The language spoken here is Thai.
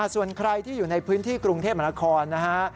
ส่วนใครที่อยู่ในพื้นที่กรุงเทพมหานครนะฮะ